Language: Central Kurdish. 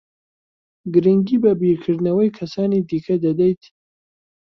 گرنگی بە بیرکردنەوەی کەسانی دیکە دەدەیت؟